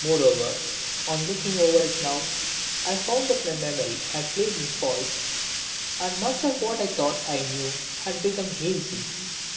Moreover, on looking over it now, I found that my memory had played me false and much of what I thought I knew had become hazy.